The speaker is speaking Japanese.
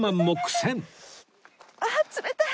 ああ冷たい。